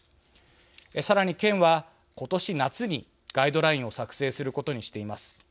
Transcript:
さらに、県は今年夏にガイドラインを作成することにしています。